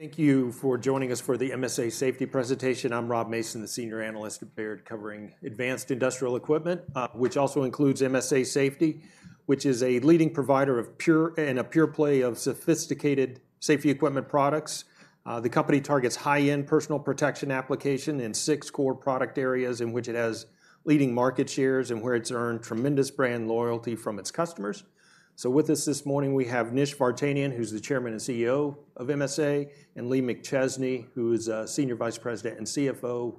Thank you for joining us for the MSA Safety presentation. I'm Rob Mason, the Senior Analyst at Baird, covering Advanced Industrial Equipment, which also includes MSA Safety, which is a leading provider of pure and a pure play of sophisticated safety equipment products. The company targets high-end personal protection application in six core product areas in which it has leading market shares and where it's earned tremendous brand loyalty from its customers. So with us this morning, we have Nish Vartanian, who's the Chairman and CEO of MSA, and Lee McChesney, who is Senior Vice President and CFO,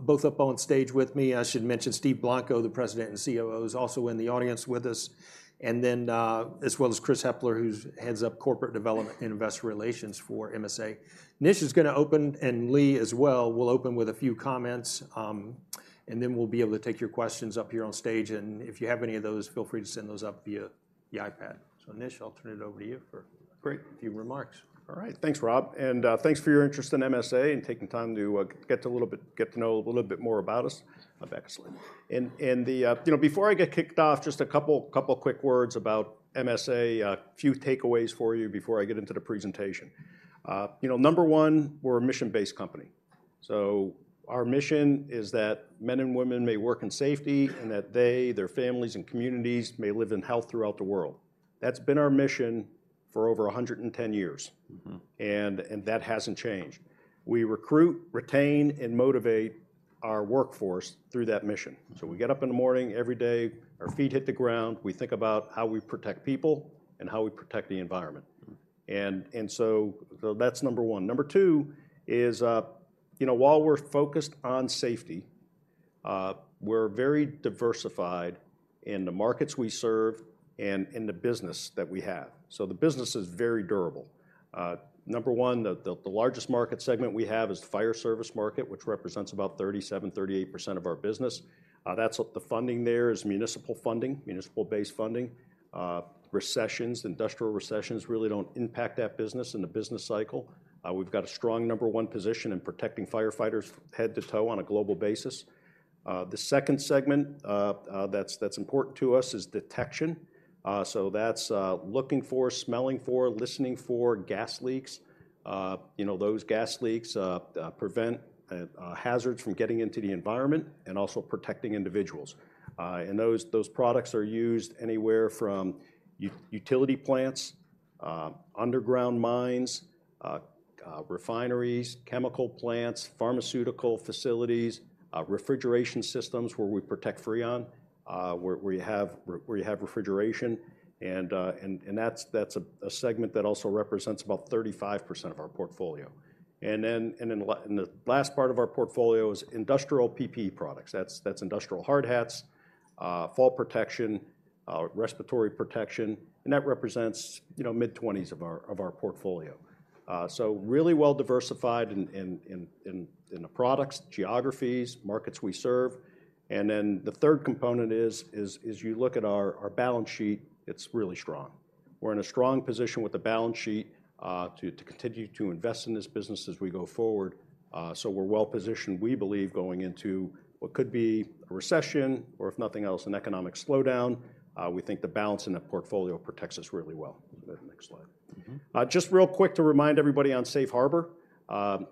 both up on stage with me. I should mention Steve Blanco, the President and COO, is also in the audience with us, and then, as well as Chris Hepler, who's heads up corporate development and investor relations for MSA. Nish is gonna open, and Lee as well, will open with a few comments. And then we'll be able to take your questions up here on stage, and if you have any of those, feel free to send those up via the iPad. So, Nish, I'll turn it over to you for- Great. a few remarks. All right. Thanks, Rob, and thanks for your interest in MSA and taking time to get to know a little bit, get to know a little bit more about us. Excellent. You know, before I get kicked off, just a couple quick words about MSA, a few takeaways for you before I get into the presentation. You know, number one, we're a mission-based company. So our mission is that men and women may work in safety, and that they, their families, and communities may live in health throughout the world. That's been our mission for over 110 years. Mm-hmm. And that hasn't changed. We recruit, retain, and motivate our workforce through that mission. So we get up in the morning, every day, our feet hit the ground, we think about how we protect people and how we protect the environment. Mm-hmm. So that's number one. Number two is, you know, while we're focused on safety, we're very diversified in the markets we serve and in the business that we have. So the business is very durable. Number one, the largest market segment we have is the fire service market, which represents about 37%-38% of our business. That's what the funding there is municipal funding, municipal-based funding. Recessions, industrial recessions really don't impact that business and the business cycle. We've got a strong number one position in protecting firefighters head to toe on a global basis. The second segment that's important to us is detection. So that's looking for, smelling for, listening for gas leaks. You know, those gas leaks prevent hazards from getting into the environment and also protecting individuals. And those products are used anywhere from utility plants, underground mines, refineries, chemical plants, pharmaceutical facilities, refrigeration systems, where we protect Freon, where you have refrigeration, and that's a segment that also represents about 35% of our portfolio. And then the last part of our portfolio is industrial PPE products. That's industrial hard hats, fall protection, respiratory protection, and that represents, you know, mid-20s of our portfolio. So really well-diversified in the products, geographies, markets we serve. And then the third component is you look at our balance sheet, it's really strong. We're in a strong position with the balance sheet, to continue to invest in this business as we go forward. So we're well-positioned, we believe, going into what could be a recession or, if nothing else, an economic slowdown. We think the balance in that portfolio protects us really well. Next slide. Mm-hmm. Just real quick to remind everybody on Safe Harbor,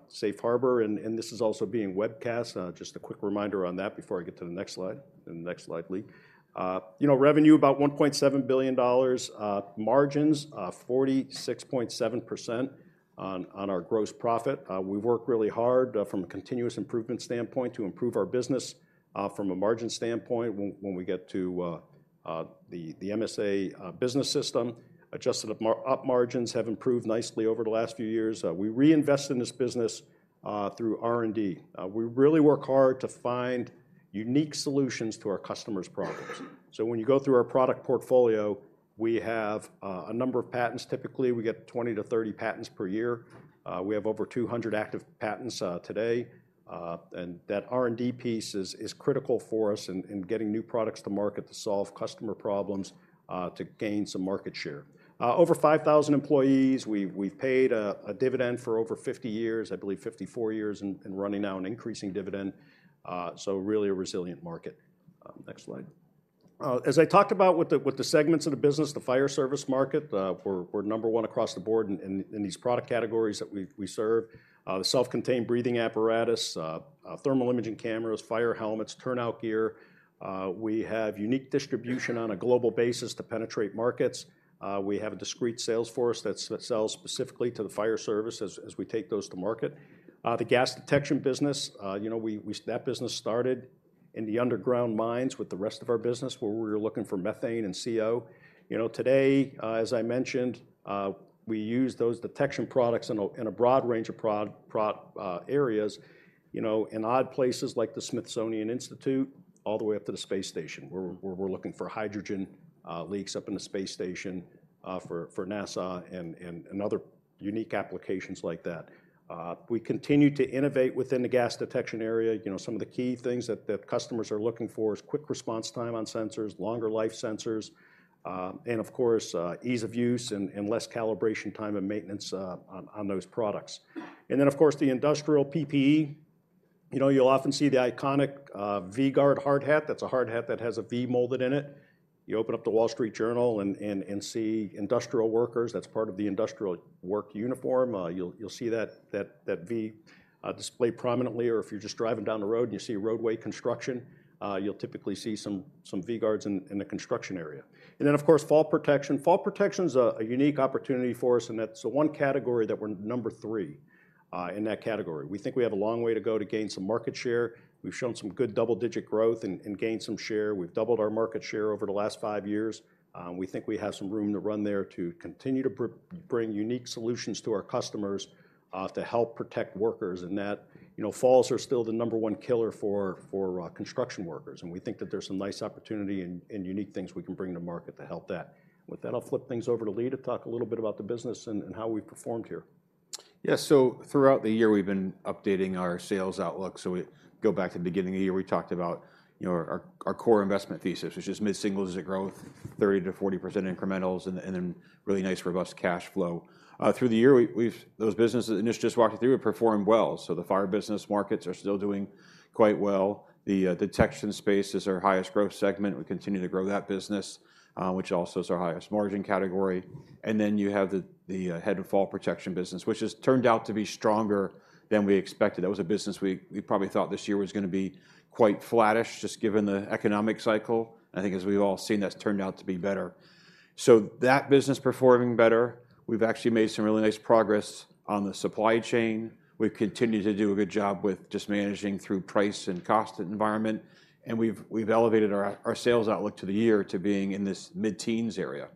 Safe Harbor, and this is also being webcast. Just a quick reminder on that before I get to the next slide, and the next slide, Lee. You know, revenue, about $1.7 billion. Margins, 46.7% on our gross profit. We work really hard from a continuous improvement standpoint to improve our business from a margin standpoint when we get to the MSA business system. Adjusted up margins have improved nicely over the last few years. We reinvest in this business through R&D. We really work hard to find unique solutions to our customers' problems. So when you go through our product portfolio, we have a number of patents. Typically, we get 20-30 patents per year. We have over 200 active patents today, and that R&D piece is critical for us in getting new products to market to solve customer problems, to gain some market share. Over 5,000 employees, we've paid a dividend for over 50 years, I believe 54 years, and running now an increasing dividend, so really a resilient market. Next slide. As I talked about with the segments of the business, the fire service market, we're number one across the board in these product categories that we serve. The self-contained breathing apparatus, thermal imaging cameras, fire helmets, turnout gear. We have unique distribution on a global basis to penetrate markets. We have a discrete sales force that's that sells specifically to the fire service as we take those to market. The gas detection business, you know, that business started in the underground mines with the rest of our business, where we were looking for methane and CO. You know, today, as I mentioned, we use those detection products in a broad range of product areas, you know, in odd places like the Smithsonian Institution, all the way up to the space station, where we're looking for hydrogen leaks up in the space station, for NASA and other unique applications like that. We continue to innovate within the gas detection area. You know, some of the key things that customers are looking for is quick response time on sensors, longer life sensors, and of course, ease of use and less calibration time and maintenance on those products. And then, of course, the industrial PPE—you know, you'll often see the iconic V-Gard hard hat. That's a hard hat that has a V molded in it. You open up the Wall Street Journal and see industrial workers; that's part of the industrial work uniform. You'll see that V displayed prominently, or if you're just driving down the road and you see roadway construction, you'll typically see some V-Gards in the construction area. And then, of course, fall protection. Fall protection's a unique opportunity for us, and that's the one category that we're number three in that category. We think we have a long way to go to gain some market share. We've shown some good double-digit growth and gained some share. We've doubled our market share over the last five years. We think we have some room to run there to continue to bring unique solutions to our customers, to help protect workers. And that, you know, falls are still the number 1 killer for construction workers, and we think that there's some nice opportunity and unique things we can bring to market to help that. With that, I'll flip things over to Lee to talk a little bit about the business and how we've performed here. Yeah, so throughout the year, we've been updating our sales outlook. So if we go back to the beginning of the year, we talked about, you know, our, our core investment thesis, which is mid-single-digit growth, 30%-40% incrementals, and then, and then really nice, robust cash flow. Through the year, those businesses, and Nish just walked through it, performed well. So the fire business markets are still doing quite well. The detection space is our highest growth segment. We continue to grow that business, which also is our highest margin category. And then, you have the head and fall protection business, which has turned out to be stronger than we expected. That was a business we probably thought this year was gonna be quite flattish, just given the economic cycle. I think as we've all seen, that's turned out to be better. So that business performing better, we've actually made some really nice progress on the supply chain. We've continued to do a good job with just managing through price and cost environment, and we've elevated our sales outlook to the year to being in this mid-teens area.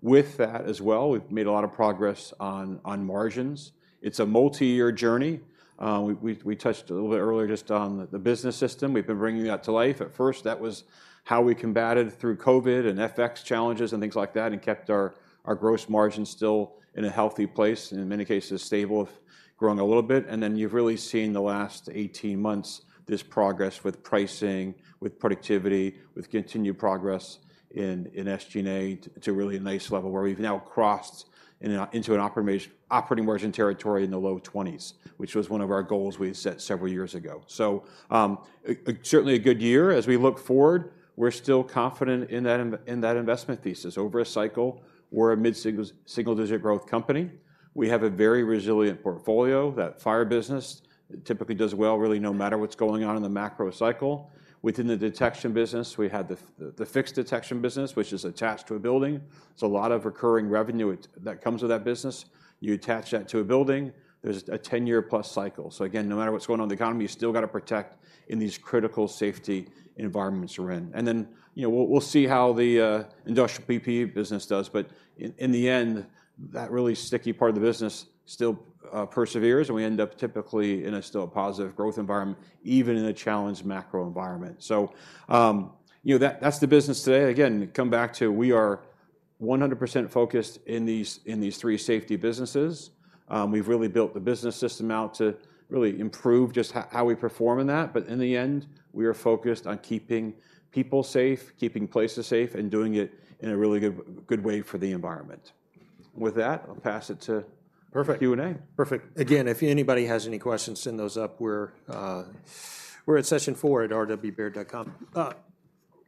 With that as well, we've made a lot of progress on margins. It's a multi-year journey. We touched a little bit earlier just on the business system. We've been bringing that to life. At first, that was how we combated through COVID and FX challenges and things like that, and kept our gross margins still in a healthy place, and in many cases, stable, growing a little bit. You've really seen the last 18 months, this progress with pricing, with productivity, with continued progress in SG&A to a really nice level, where we've now crossed into an operating margin territory in the low 20s%, which was one of our goals we set several years ago. So, certainly a good year. As we look forward, we're still confident in that investment thesis. Over a cycle, we're a mid single-digit growth company. We have a very resilient portfolio. That fire business typically does well, really, no matter what's going on in the macro cycle. Within the detection business, we had the fixed detection business, which is attached to a building, so a lot of recurring revenue that comes with that business. You attach that to a building, there's a 10-year+ cycle. So again, no matter what's going on in the economy, you still gotta protect in these critical safety environments we're in. And then, you know, we'll see how the industrial PPE business does, but in the end, that really sticky part of the business still perseveres, and we end up typically in a still positive growth environment, even in a challenged macro environment. So, you know, that's the business today. Again, come back to, we are 100% focused in these, in these three safety businesses. We've really built the business system out to really improve just how we perform in that, but in the end, we are focused on keeping people safe, keeping places safe, and doing it in a really good way for the environment. With that, I'll pass it to- Perfect... Q&A. Perfect. Again, if anybody has any questions, send those up. We're at session4@rwbaird.com.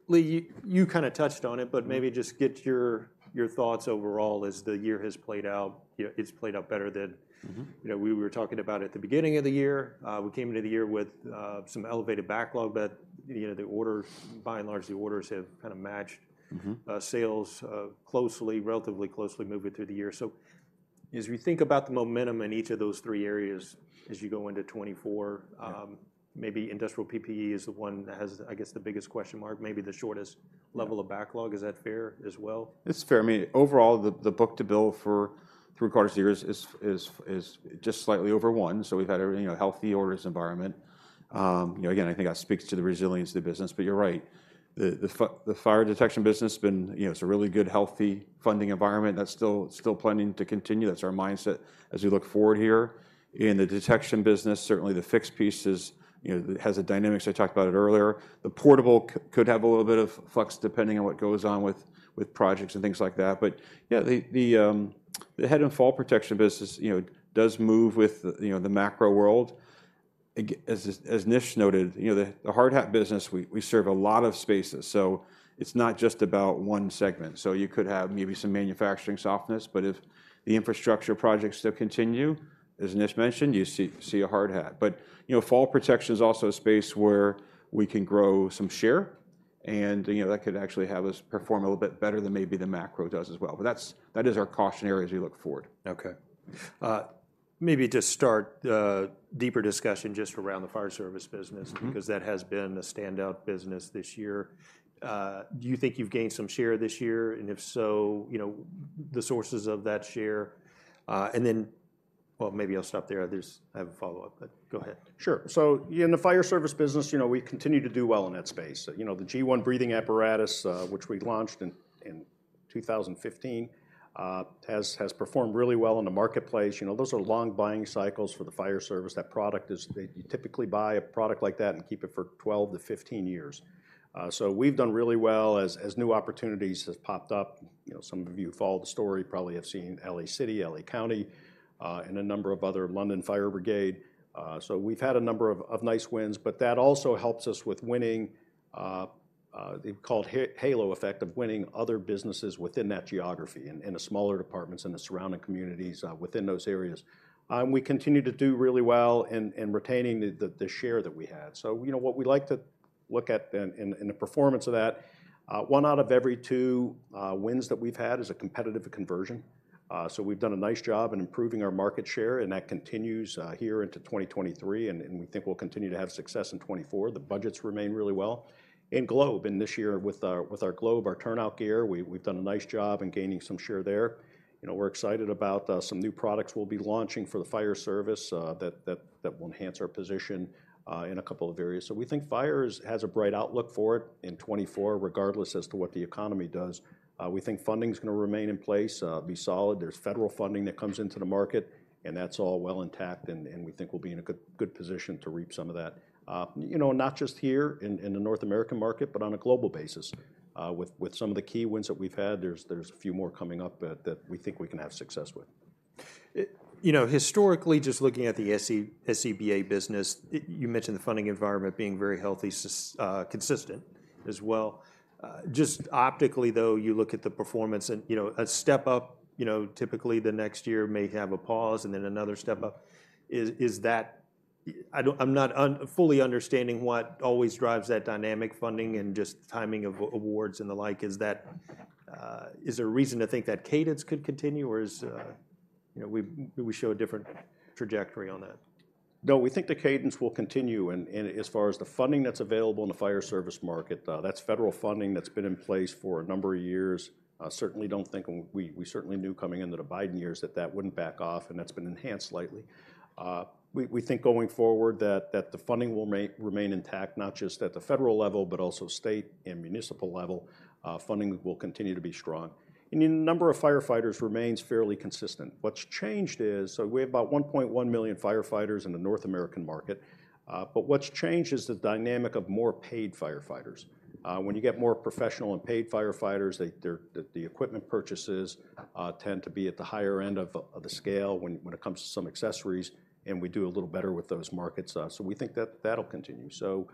Lee, you kinda touched on it- Mm-hmm... but maybe just get your, your thoughts overall as the year has played out. You know, it's played out better than- Mm-hmm... you know, we were talking about at the beginning of the year. We came into the year with some elevated backlog, but, you know, the orders, by and large, the orders have kinda matched- Mm-hmm... sales closely, relatively closely moving through the year. So as we think about the momentum in each of those three areas as you go into 2024- Yeah... maybe industrial PPE is the one that has, I guess, the biggest question mark, maybe the shortest- Yeah... level of backlog. Is that fair as well? It's fair. I mean, overall, the book-to-bill for through quarters years is just slightly over one, so we've had you know, healthy orders environment. You know, again, I think that speaks to the resilience of the business, but you're right. The fire detection business been, you know, it's a really good, healthy funding environment, that's still planning to continue. That's our mindset as we look forward here. In the detection business, certainly the fixed piece is, you know, it has the dynamics, I talked about it earlier. The portable could have a little bit of flux, depending on what goes on with projects and things like that. But, you know, the head and fall protection business, you know, does move with the macro world. As, as Nish noted, you know, the hard hat business, we serve a lot of spaces, so it's not just about one segment. So you could have maybe some manufacturing softness, but if the infrastructure projects still continue, as Nish mentioned, you see a hard hat. But, you know, fall protection is also a space where we can grow some share, and, you know, that could actually have us perform a little bit better than maybe the macro does as well. But that's, that is our caution area as we look forward. Okay. Maybe to start, deeper discussion just around the fire service business- Mm-hmm... because that has been the standout business this year. Do you think you've gained some share this year? And if so, you know, the sources of that share. Well, maybe I'll stop there. I have a follow-up, but go ahead. Sure. So in the fire service business, you know, we continue to do well in that space. You know, the G1 breathing apparatus, which we launched in 2015, has performed really well in the marketplace. You know, those are long buying cycles for the fire service. That product is you typically buy a product like that and keep it for 12-15 years. So we've done really well as new opportunities have popped up. You know, some of you who follow the story probably have seen L.A. City, L.A. County, and a number of other, London Fire Brigade. So we've had a number of nice wins, but that also helps us with winning, They've called the halo effect of winning other businesses within that geography, in the smaller departments and the surrounding communities within those areas. We continue to do really well in retaining the share that we had. So, you know, what we like to look at in the performance of that, one out of every two wins that we've had is a competitive conversion. So we've done a nice job in improving our market share, and that continues here into 2023, and we think we'll continue to have success in 2024. The budgets remain really well. In Globe, in this year with our Globe, our turnout gear, we've done a nice job in gaining some share there. You know, we're excited about some new products we'll be launching for the fire service that will enhance our position in a couple of areas. So we think fire has a bright outlook for it in 2024, regardless as to what the economy does. We think funding's gonna remain in place, be solid. There's federal funding that comes into the market, and that's all well intact, and we think we'll be in a good position to reap some of that. You know, not just here in the North American market, but on a global basis. With some of the key wins that we've had, there's a few more coming up that we think we can have success with. You know, historically, just looking at the SCBA business, you mentioned the funding environment being very healthy, sustained, consistent as well. Just optically, though, you look at the performance and, you know, a step up, you know, typically, the next year may have a pause and then another step up. Is that... I don't fully understand what always drives that dynamic funding and just timing of awards and the like. Is there a reason to think that cadence could continue, or, you know, do we show a different trajectory on that? No, we think the cadence will continue, and as far as the funding that's available in the fire service market, that's federal funding that's been in place for a number of years. Certainly don't think, and we certainly knew coming into the Biden years, that that wouldn't back off, and that's been enhanced slightly. We think going forward, that the funding will remain intact, not just at the federal level, but also state and municipal level. Funding will continue to be strong. And the number of firefighters remains fairly consistent. What's changed is, so we have about 1.1 million firefighters in the North American market, but what's changed is the dynamic of more paid firefighters. When you get more professional and paid firefighters, they're the equipment purchases tend to be at the higher end of the scale when it comes to some accessories, and we do a little better with those markets. So we think that that'll continue. So,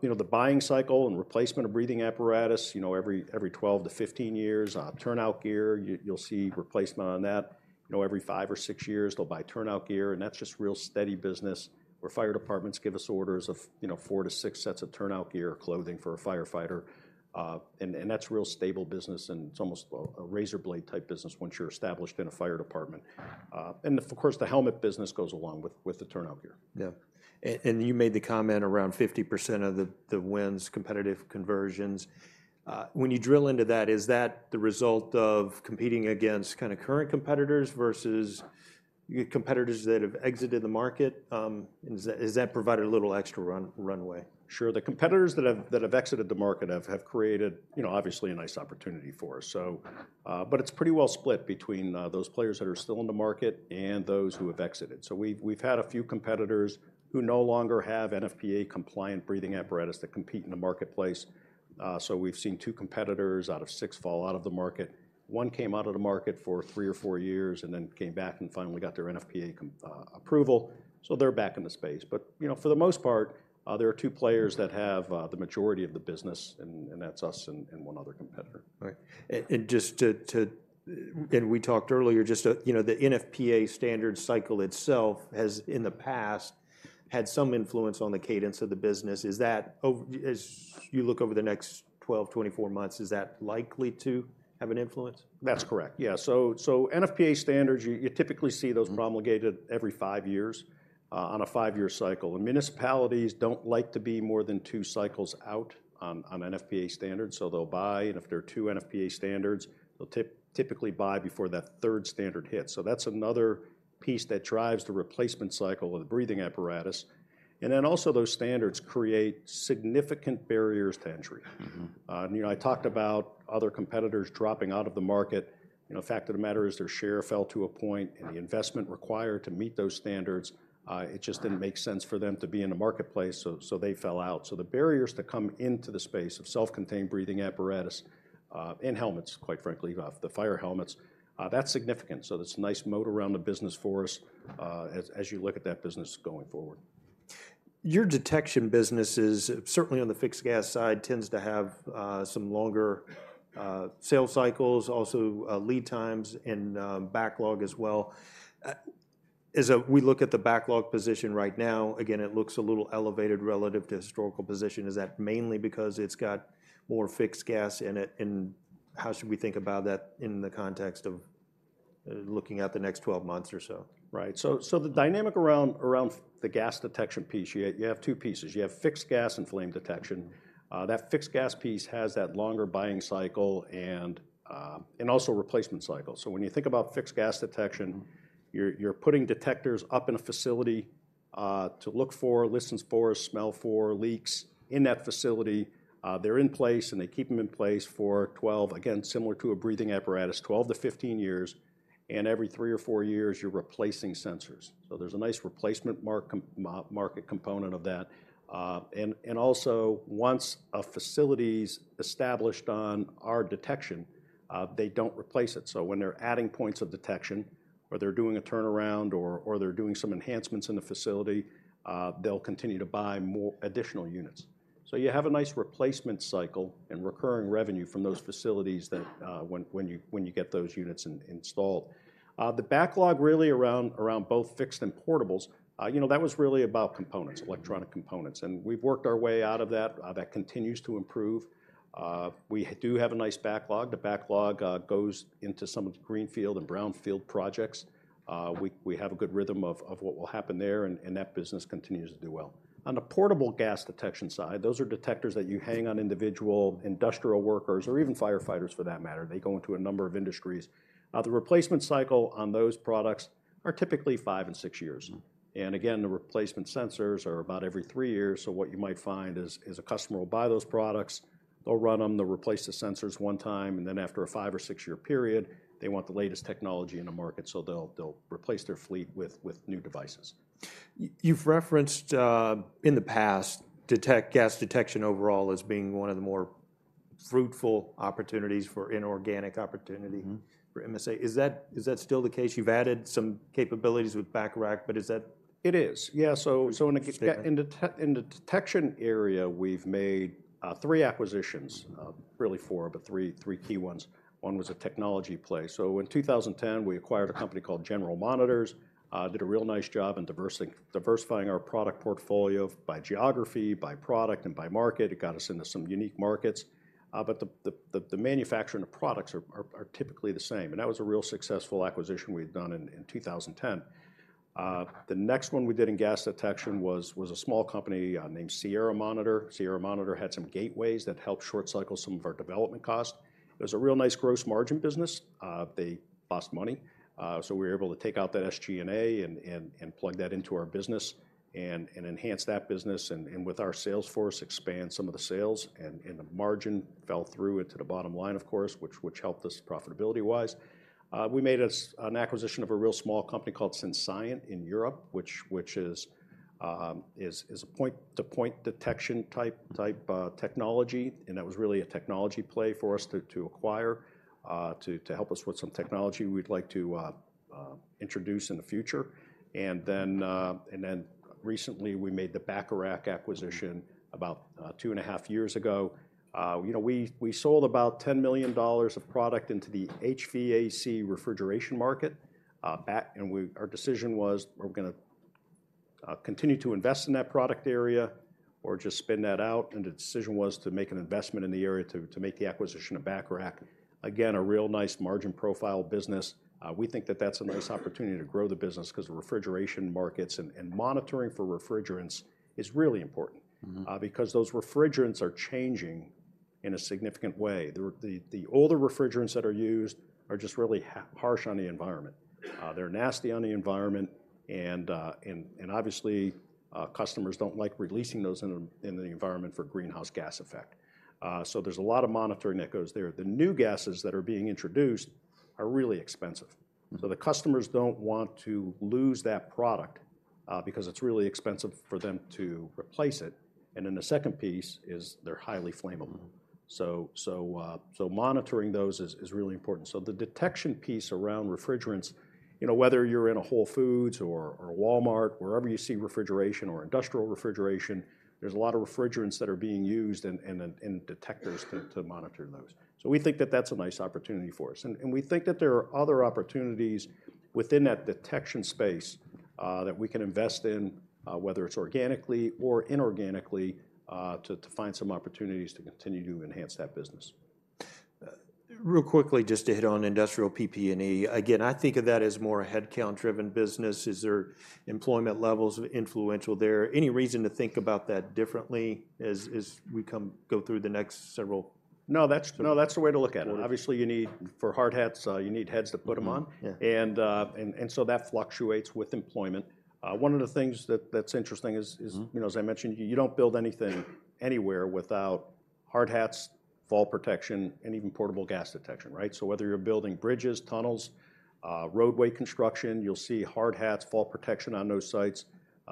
you know, the buying cycle and replacement of breathing apparatus, you know, every 12-15 years. Turnout gear, you'll see replacement on that, you know, every five or six years, they'll buy turnout gear, and that's just real steady business where fire departments give us orders of, you know, four-six sets of turnout gear or clothing for a firefighter. And that's real stable business, and it's almost a razor blade type business once you're established in a fire department. Of course, the helmet business goes along with the turnout gear. Yeah. And you made the comment around 50% of the wins, competitive conversions. When you drill into that, is that the result of competing against kinda current competitors versus your competitors that have exited the market? And has that provided a little extra runway? Sure. The competitors that have exited the market have created, you know, obviously, a nice opportunity for us. So, but it's pretty well split between those players that are still in the market and those who have exited. So we've had a few competitors who no longer have NFPA-compliant breathing apparatus that compete in the marketplace. So we've seen two competitors out of six fall out of the market. One came out of the market for three or four years and then came back and finally got their NFPA approval, so they're back in the space. But, you know, for the most part, there are two players that have the majority of the business, and that's us and one other competitor. Right. And just to... And we talked earlier, just, you know, the NFPA standard cycle itself has, in the past, had some influence on the cadence of the business. Is that over- as you look over the next 12-24 months, is that likely to have an influence? That's correct. Yeah. So NFPA standards, you typically see those promulgated every five years on a five-year cycle. And municipalities don't like to be more than two cycles out on NFPA standards, so they'll buy. And if there are two NFPA standards, they'll typically buy before that third standard hits. So that's another piece that drives the replacement cycle of the breathing apparatus. And then also, those standards create significant barriers to entry. Mm-hmm. You know, I talked about other competitors dropping out of the market. You know, fact of the matter is, their share fell to a point, and the investment required to meet those standards, it just- Right... didn't make sense for them to be in the marketplace, so they fell out. So the barriers to come into the space of self-contained breathing apparatus, and helmets, quite frankly, the fire helmets, that's significant. So that's a nice moat around the business for us, as you look at that business going forward. Your detection business is, certainly on the fixed gas side, tends to have some longer sales cycles, also lead times and backlog as well. As we look at the backlog position right now, again, it looks a little elevated relative to historical position. Is that mainly because it's got more fixed gas in it, and how should we think about that in the context of looking at the next 12 months or so? Right. So the dynamic around the gas detection piece, you have two pieces. You have fixed gas and flame detection. That fixed gas piece has that longer buying cycle and also replacement cycle. So when you think about fixed gas detection, you're putting detectors up in a facility to look for, listens for, smell for leaks in that facility. They're in place, and they keep them in place for 12, again, similar to a breathing apparatus, 12-15 years, and every three or four years, you're replacing sensors. So there's a nice replacement market component of that. And also, once a facility's established on our detection, they don't replace it. So when they're adding points of detection, or they're doing a turnaround, or they're doing some enhancements in the facility, they'll continue to buy more additional units. So you have a nice replacement cycle and recurring revenue from those facilities that, when you get those units installed. The backlog really around both fixed and portables, you know, that was really about components, electronic components. And we've worked our way out of that. That continues to improve. We do have a nice backlog. The backlog goes into some of the greenfield and brownfield projects. We have a good rhythm of what will happen there, and that business continues to do well. On the portable gas detection side, those are detectors that you hang on individual industrial workers or even firefighters, for that matter. They go into a number of industries. The replacement cycle on those products are typically 5 and 6 years, and again, the replacement sensors are about every three years. So what you might find is a customer will buy those products, they'll run them, they'll replace the sensors one time, and then after a five or six-year period, they want the latest technology in the market, so they'll replace their fleet with new devices. You've referenced, in the past, gas detection overall as being one of the more fruitful opportunities for inorganic opportunity- Mm-hmm. -for MSA. Is that, is that still the case? You've added some capabilities with Bacharach, but is that- It is. Yeah, so in the de- Yeah. In the detection area, we've made three acquisitions. Really four, but three key ones. One was a technology play. So in 2010, we acquired a company called General Monitors. Did a real nice job in diversifying our product portfolio by geography, by product, and by market. It got us into some unique markets, but the manufacturing of products are typically the same, and that was a real successful acquisition we've done in 2010. The next one we did in gas detection was a small company named Sierra Monitor. Sierra Monitor had some gateways that helped short cycle some of our development costs. It was a real nice gross margin business. They lost money, so we were able to take out that SG&A and plug that into our business and enhance that business and with our sales force, expand some of the sales, and the margin fell through into the bottom line, of course, which helped us profitability-wise. We made an acquisition of a real small company called Senscient in Europe, which is a point-to-point detection type technology, and that was really a technology play for us to acquire to help us with some technology we'd like to introduce in the future. And then recently, we made the Bacharach acquisition about two and half years ago. You know, we sold about $10 million of product into the HVAC refrigeration market, and we... Our decision was, were we gonna continue to invest in that product area or just spin that out? And the decision was to make an investment in the area to make the acquisition of Bacharach. Again, a real nice margin profile business. We think that that's a nice opportunity to grow the business 'cause the refrigeration markets and monitoring for refrigerants is really important- Mm-hmm... because those refrigerants are changing in a significant way. The older refrigerants that are used are just really harsh on the environment. They're nasty on the environment, and obviously, customers don't like releasing those in the environment for greenhouse gas effect. So there's a lot of monitoring that goes there. The new gases that are being introduced are really expensive. Mm. The customers don't want to lose that product, because it's really expensive for them to replace it, and then the second piece is they're highly flammable. Mm-hmm. So monitoring those is really important. So the detection piece around refrigerants, you know, whether you're in a Whole Foods or a Walmart, wherever you see refrigeration or industrial refrigeration, there's a lot of refrigerants that are being used and detectors to monitor those. So we think that that's a nice opportunity for us, and we think that there are other opportunities within that detection space, that we can invest in, whether it's organically or inorganically, to find some opportunities to continue to enhance that business. Real quickly, just to hit on Industrial PP&E, again, I think of that as more a headcount-driven business. Is there employment levels influential there? Any reason to think about that differently as we go through the next several- No, that's, no, that's the way to look at it. Well, it- Obviously, you need, for hard hats, you need heads to put them on. Mm-hmm. Yeah. So that fluctuates with employment. One of the things that's interesting is Mm-hmm... you know, as I mentioned, you don't build anything, anywhere without hard hats, fall protection, and even portable gas detection, right? So whether you're building bridges, tunnels, roadway construction, you'll see hard hats, fall protection on those sites.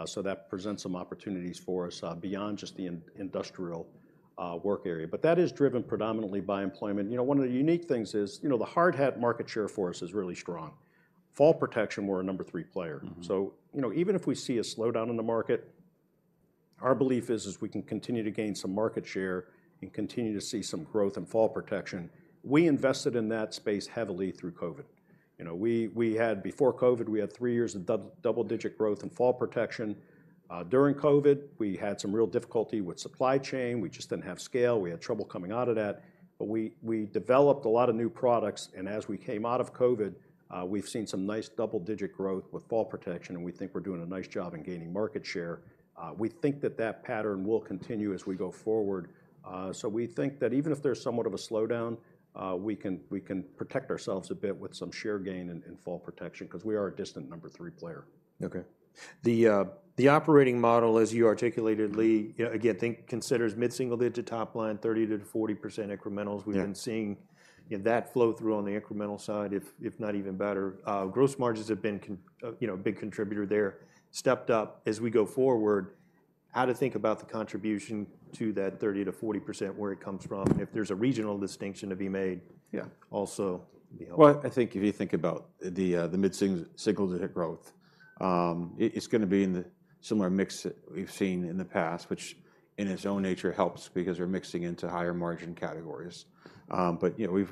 So that presents some opportunities for us, beyond just the industrial work area. But that is driven predominantly by employment. You know, one of the unique things is, you know, the hard hat market share for us is really strong. Fall protection, we're a number three player. Mm-hmm. So, you know, even if we see a slowdown in the market, our belief is we can continue to gain some market share and continue to see some growth in fall protection. We invested in that space heavily through COVID. You know, before COVID, we had three years of double-digit growth in fall protection. During COVID, we had some real difficulty with supply chain. We just didn't have scale. We had trouble coming out of that, but we developed a lot of new products, and as we came out of COVID, we've seen some nice double-digit growth with fall protection, and we think we're doing a nice job in gaining market share. We think that pattern will continue as we go forward. So we think that even if there's somewhat of a slowdown, we can protect ourselves a bit with some share gain in fall protection, 'cause we are a distant number three player. Okay. The operating model, as you articulated, Lee, again, considers mid-single digit top line, 30%-40% incrementals. Yeah. We've been seeing, yeah, that flow through on the incremental side, if not even better. Gross margins have been, you know, a big contributor there, stepped up. As we go forward, how to think about the contribution to that 30%-40%, where it comes from, and if there's a regional distinction to be made. Yeah... also, you know? Well, I think if you think about the single-digit growth, it's gonna be in the similar mix that we've seen in the past, which, in its own nature, helps because we're mixing into higher margin categories. But you know, we've-...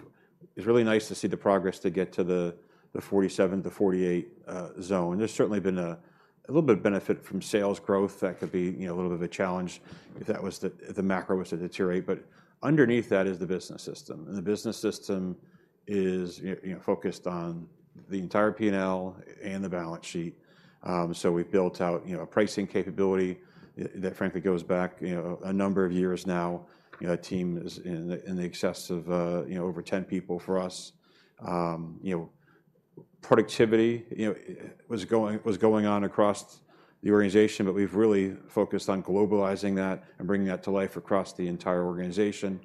It's really nice to see the progress to get to the 47-48 zone. There's certainly been a little bit of benefit from sales growth that could be, you know, a little bit of a challenge if the macro was to deteriorate. But underneath that is the business system, and the business system is, you know, focused on the entire P&L and the balance sheet. So we've built out, you know, a pricing capability that frankly goes back, you know, a number of years now. You know, a team is in the excess of, you know, over 10 people for us. You know, productivity, you know, was going on across the organization, but we've really focused on globalizing that and bringing that to life across the entire organization.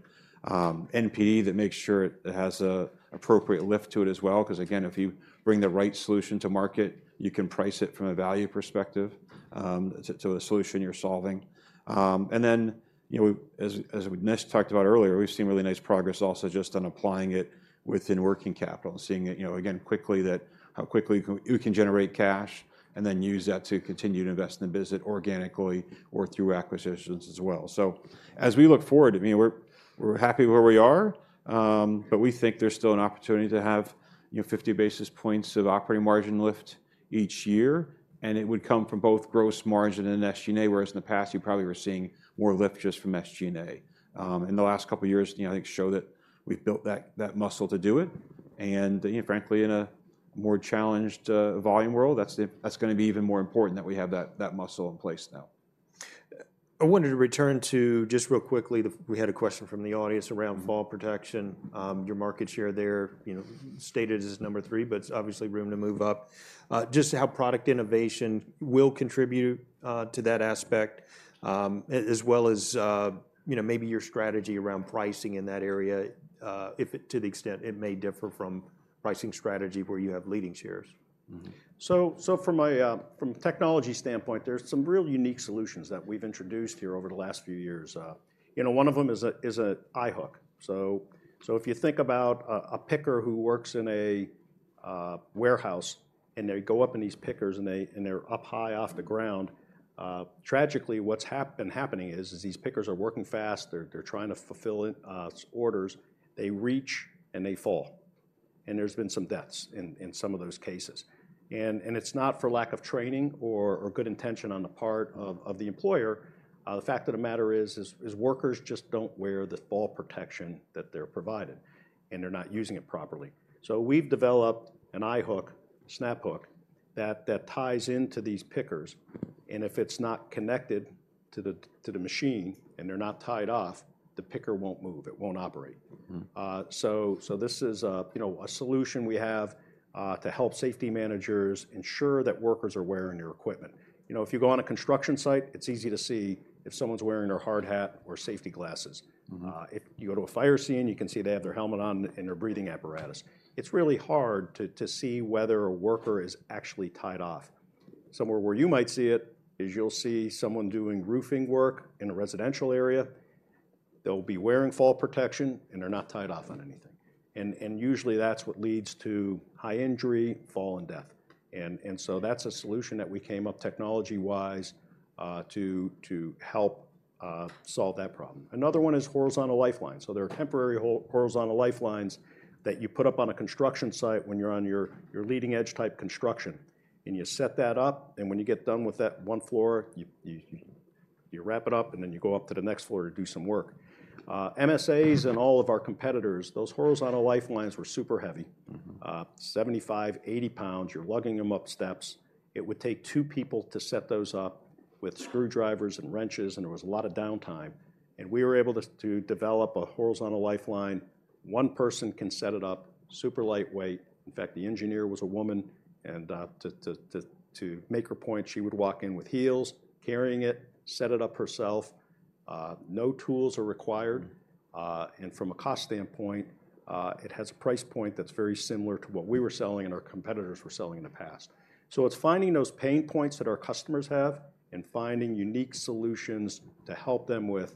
NPE, that makes sure it has a appropriate lift to it as well, 'cause again, if you bring the right solution to market, you can price it from a value perspective, to, to a solution you're solving. And then, you know, as, as we just talked about earlier, we've seen really nice progress also just on applying it within working capital and seeing it, you know, again, quickly, that how quickly you can, you can generate cash and then use that to continue to invest in the business organically or through acquisitions as well. So as we look forward, I mean, we're happy where we are, but we think there's still an opportunity to have, you know, 50 basis points of operating margin lift each year, and it would come from both gross margin and SG&A, whereas in the past you probably were seeing more lift just from SG&A. In the last couple of years, you know, I think show that we've built that muscle to do it, and, you know, frankly, in a more challenged volume world, that's gonna be even more important that we have that muscle in place now. I wanted to return to, just really quickly, the... We had a question from the audience around fall protection. Your market share there, you know, stated as number three, but it's obviously room to move up. Just how product innovation will contribute to that aspect, as well as, you know, maybe your strategy around pricing in that area, if it, to the extent it may differ from pricing strategy where you have leading shares. Mm-hmm. So, from a technology standpoint, there's some real unique solutions that we've introduced here over the last few years. You know, one of them is an eye hook. So, if you think about a picker who works in a warehouse, and they go up in these pickers, and they're up high off the ground. Tragically, what's been happening is these pickers are working fast, they're trying to fulfill orders. They reach, and they fall, and there's been some deaths in some of those cases. And it's not for lack of training or good intention on the part of the employer. The fact of the matter is workers just don't wear the fall protection that they're provided, and they're not using it properly. So we've developed an eye hook, snap hook, that ties into these pickers, and if it's not connected to the machine, and they're not tied off, the picker won't move. It won't operate. Mm-hmm. So, this is a, you know, a solution we have to help safety managers ensure that workers are wearing their equipment. You know, if you go on a construction site, it's easy to see if someone's wearing their hard hat or safety glasses. Mm-hmm. If you go to a fire scene, you can see they have their helmet on and their breathing apparatus. It's really hard to see whether a worker is actually tied off. Somewhere where you might see it is you'll see someone doing roofing work in a residential area. They'll be wearing fall protection, and they're not tied off on anything, and usually that's what leads to high injury, fall, and death. So that's a solution that we came up technology-wise to help solve that problem. Another one is horizontal lifelines. So there are temporary horizontal lifelines that you put up on a construction site when you're on your leading-edge type construction, and you set that up, and when you get done with that one floor, you wrap it up, and then you go up to the next floor to do some work. MSA's and all of our competitors, those horizontal lifelines were super heavy. Mm-hmm. 75-80 lbs, you're lugging them up steps. It would take two people to set those up with screwdrivers and wrenches, and there was a lot of downtime, and we were able to develop a horizontal lifeline. One person can set it up, super lightweight. In fact, the engineer was a woman, and to make her point, she would walk in with heels, carrying it, set it up herself. No tools are required, and from a cost standpoint, it has a price point that's very similar to what we were selling and our competitors were selling in the past. So it's finding those pain points that our customers have and finding unique solutions to help them with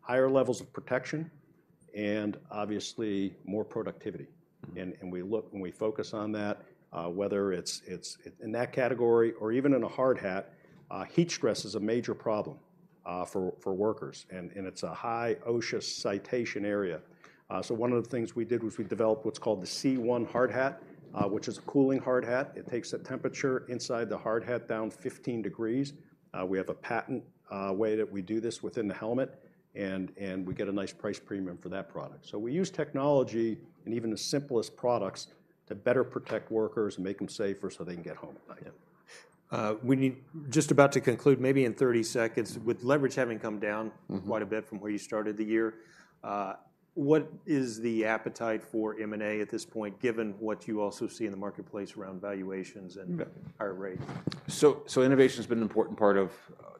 higher levels of protection and obviously more productivity. Mm-hmm. We look and we focus on that, whether it's in that category or even in a hard hat. Heat stress is a major problem for workers, and it's a high OSHA citation area. So one of the things we did was we developed what's called the C1 hard hat, which is a cooling hard hat. It takes the temperature inside the hard hat down 15 degrees. We have a patent way that we do this within the helmet, and we get a nice price premium for that product. So we use technology in even the simplest products to better protect workers and make them safer so they can get home. Yeah. We need-- just about to conclude, maybe in 30 seconds, with leverage having come down- Mm-hmm... quite a bit from where you started the year, what is the appetite for M&A at this point, given what you also see in the marketplace around valuations and- Yeah... higher rates? So innovation has been an important part of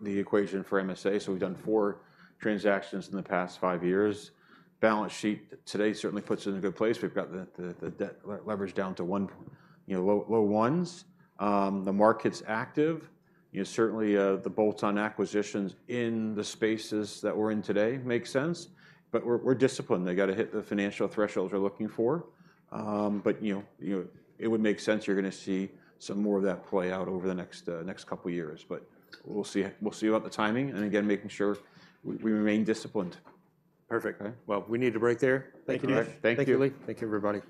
the equation for MSA. So we've done four transactions in the past five years. Balance sheet today certainly puts us in a good place. We've got the debt leverage down to one, you know, low, low ones. The market's active. You know, certainly, the bolt-on acquisitions in the spaces that we're in today make sense, but we're disciplined. They got to hit the financial thresholds we're looking for. But, you know, it would make sense you're gonna see some more of that play out over the next couple of years. But we'll see. We'll see about the timing, and again, making sure we remain disciplined. Perfect. Okay. Well, we need to break there. Thank you. Thank you. Thank you, Lee. Thank you, everybody.